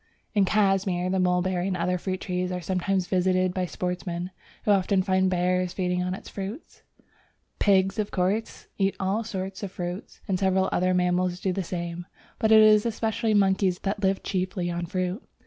In Cashmir the mulberry and other fruit trees are sometimes visited by sportsmen, who often find bears feeding on the fruits. Pigs, of course, eat all sorts of fruit, and several other mammals do the same, but it is especially monkeys that live chiefly on fruit.